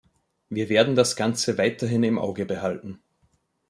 Wir werden das Ganze weiterhin im Auge behalten.